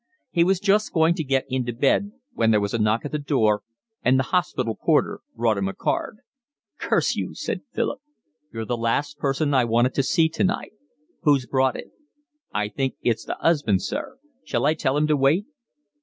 He was just going to get into bed when there was a knock at the door, and the hospital porter brought him a card. "Curse you," said Philip. "You're the last person I wanted to see tonight. Who's brought it?" "I think it's the 'usband, sir. Shall I tell him to wait?"